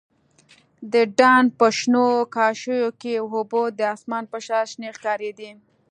د ډنډ په شنو کاشيو کښې اوبه د اسمان په شان شنې ښکارېدې.